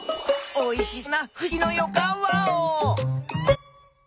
おいしそうなふしぎのよかんワオ！